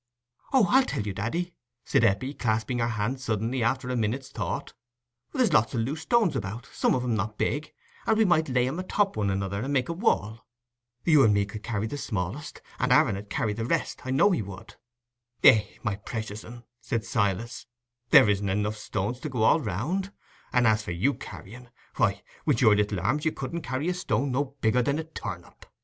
"Oh, I'll tell you, daddy," said Eppie, clasping her hands suddenly, after a minute's thought. "There's lots o' loose stones about, some of 'em not big, and we might lay 'em atop of one another, and make a wall. You and me could carry the smallest, and Aaron 'ud carry the rest—I know he would." "Eh, my precious un," said Silas, "there isn't enough stones to go all round; and as for you carrying, why, wi' your little arms you couldn't carry a stone no bigger than a turnip.